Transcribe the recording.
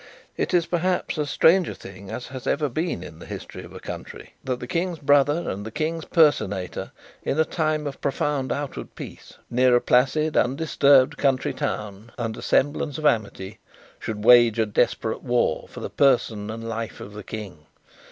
It is perhaps as strange a thing as has ever been in the history of a country that the King's brother and the King's personator, in a time of profound outward peace, near a placid, undisturbed country town, under semblance of amity, should wage a desperate war for the person and life of the King.